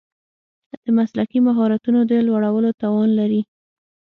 د مسلکي مهارتونو د لوړولو توان لري.